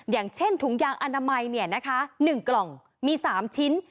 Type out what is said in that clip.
อย่างเช่นถุงยางอนามัย๑กล่องมี๓ชิ้น